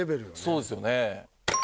そうですよね。